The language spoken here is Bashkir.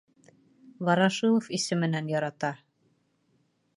Ворошилов исеменән ярата!